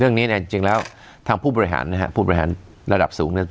เรื่องนี้เนี่ยจริงแล้วทางผู้บริหารนะครับผู้บริหารระดับสูงเนี่ย